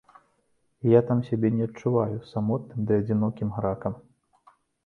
І я там сябе не адчуваю самотным ды адзінокім гракам.